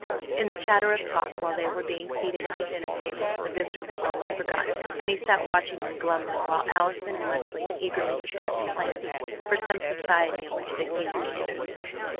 In the chatter of talk while they were being seated at the dinner table the visitor was almost forgotten, and he sat watching them glumly while Allison and Leslie eagerly discussed plans for some society in which they seemed to be interested.